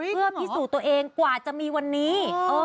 เพื่อพิสูจน์ตัวเองกว่าจะมีวันนี้